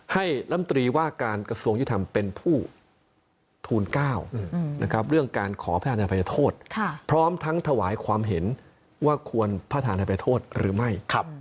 ลำตรีว่าการกระทรวงยุทธรรมเป็นผู้ทูล๙เรื่องการขอแพทย์อภัยโทษพร้อมทั้งถวายความเห็นว่าควรพระธานภัยโทษหรือไม่